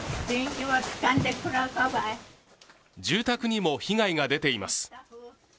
住宅にも被害が出ています。